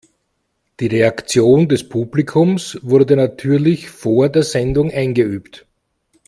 Die Reaktion des Publikums wurde natürlich vor der Sendung eingeübt.